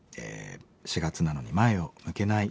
「４月なのに前を向けない。